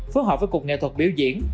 phối hợp với cuộc nghệ thuật biểu diễn